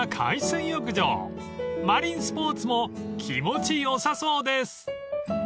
［マリンスポーツも気持ちよさそうです］